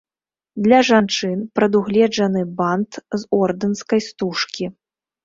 Для жанчын прадугледжаны бант з ордэнскай стужкі.